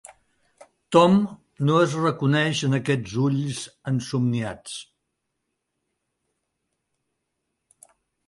Tom no es reconeix en aquests ulls ensomniats.